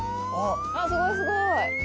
すごいすごい！